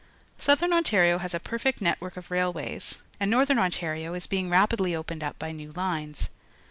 — Southern Ontario has a perfect net work of railway's, and Northern Ontario is being rapidly opened up by new lines.